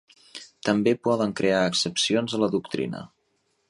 També poden crear excepcions a la doctrina.